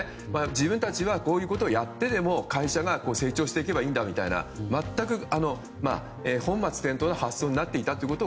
自分たちはこういうことをやってでも会社が成長していけばいいんだという全く本末転倒な発想になっていたということ。